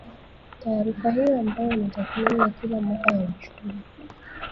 Taarifa hiyo ambayo ni tathmini ya kila mwaka ya uchumi